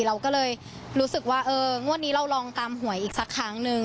เราก็เลยรู้สึกว่าเอองวดนี้เราลองตามหวยอีกสักครั้งนึง